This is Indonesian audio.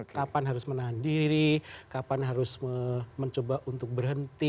kapan harus menahan diri kapan harus mencoba untuk berhenti